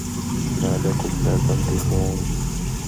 ما لَكُم لا تَنطِقونَ